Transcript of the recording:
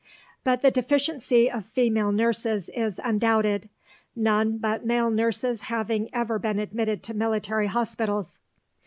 But the deficiency of female nurses is undoubted, none but male nurses having ever been admitted to military hospitals.